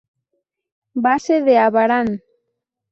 Base de Abarán.